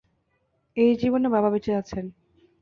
এই জীবনে বাবা বেঁচে আছেন।